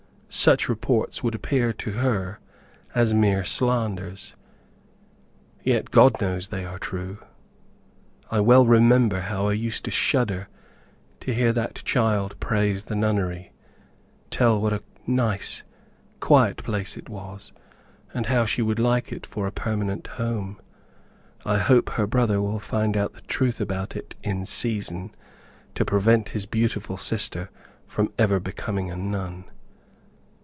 Such reports would appear to her as mere slanders, yet God knows they are true. I well remember how I used to shudder to hear that child praise the nunnery, tell what a nice, quiet place it was, and how she would like it for a permanent home. I hope her brother will find out the truth about it in season to prevent his beautiful sister from ever becoming a nun.